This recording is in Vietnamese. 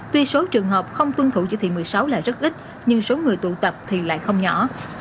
tuy số trường hợp không tuân thủ chỉ thị một mươi sáu là rất ít nhưng số người tụ tập thì lại không nhỏ